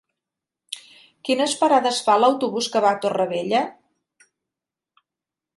Quines parades fa l'autobús que va a Torrevella?